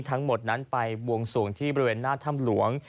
ทั้งหมดนั้นไปบวงสวงที่บริเวณหน้าถ้ำหลวง